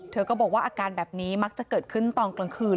เธอก็บอกว่าอาการแบบนี้มักจะเกิดขึ้นตอนกลางคืน